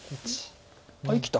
生きた。